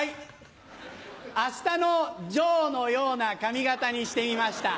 『あしたのジョー』のような髪形にしてみました。